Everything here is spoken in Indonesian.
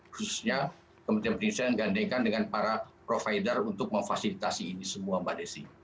khususnya kementerian perindustrian menggandekan dengan para provider untuk memfasilitasi ini semua mbak desi